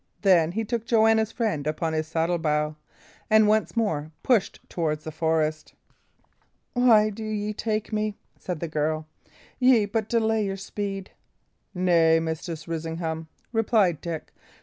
Then he took Joanna's friend upon his saddlebow, and once more pushed toward the forest. "Why do ye take me?" said the girl. "Ye but delay your speed." "Nay, Mistress Risingham," replied Dick.